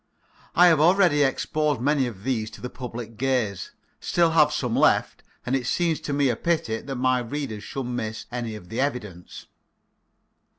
I have already exposed many of these to the public gaze, still have some left, and it seems to me a pity that my readers should miss any of the evidence.